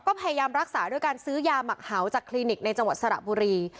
ก็พยายามรักษาด้วยการซื้อยาหมักเห่าจากคลินิกในจังหวัดสระบุรี